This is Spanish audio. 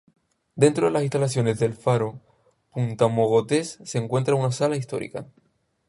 Dentro de las instalaciones del Faro Punta Mogotes se encuentra una Sala Histórica.